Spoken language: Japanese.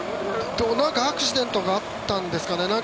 何かアクシデントがあったんですかね？